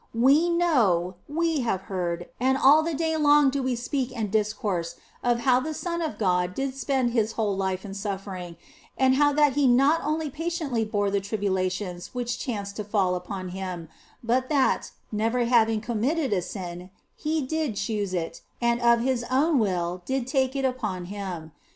We know, we have heard, and all the day long do we 84 THE BLESSED ANGELA speak and discourse of how the Son of God did spend His whole life in suffering, and how that He not only patiently bore the tribulations which chanced to fall upon Him, but that, never having committed sin, He did choose it, and of His own will did take it upon Him.